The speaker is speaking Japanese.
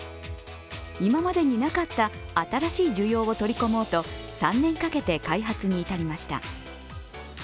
今までになかった新しい需要を取り込もうと３年かけて開発に至りました。